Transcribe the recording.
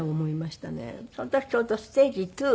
その時ちょうどステージⅡ。